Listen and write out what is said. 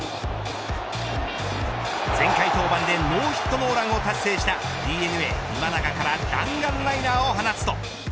前回登板でノーヒットノーランを達成したＤｅＮＡ今永から弾丸ライナーを放つと。